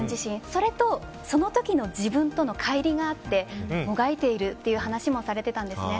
それと、その時の自分とのかい離があってもがいているという話もされていたんですね。